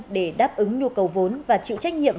để đáp ứng nhu cầu vốn và chịu trách nhiệm